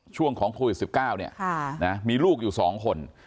ช่วงของโควิด๑๙มีลูกอยู่๒คน